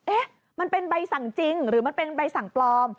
เอ๊ะมันเป็นใบสั่งจริงหรือมันเป็นใบสั่งปลอม